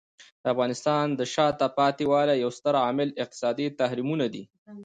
د افغانستان د شاته پاتې والي یو ستر عامل اقتصادي تحریمونه دي.